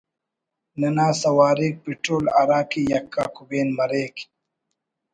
ننا سواریک پٹرول ہرا کہ یکا کبین مریک